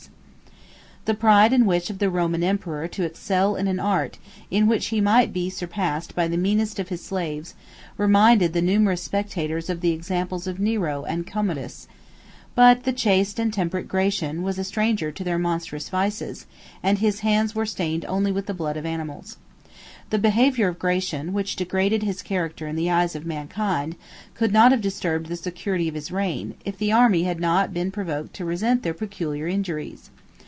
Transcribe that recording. The pride and wish of the Roman emperor to excel in an art, in which he might be surpassed by the meanest of his slaves, reminded the numerous spectators of the examples of Nero and Commodus, but the chaste and temperate Gratian was a stranger to their monstrous vices; and his hands were stained only with the blood of animals. 6 The behavior of Gratian, which degraded his character in the eyes of mankind, could not have disturbed the security of his reign, if the army had not been provoked to resent their peculiar injuries.